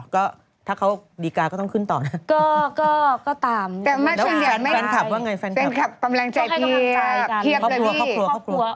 ก็ถ้าเขาดีการ์ก็ต้องขึ้นต่อนะ